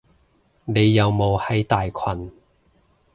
你有冇喺大群？